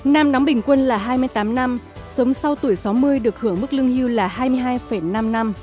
năm đóng bình quân là hai mươi tám năm sớm sau tuổi sáu mươi được hưởng mức lương hưu là hai mươi hai năm năm